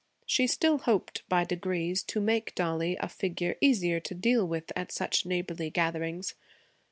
She still hoped, by degrees, to make Dollie a figure easier to deal with at such neighborly gatherings.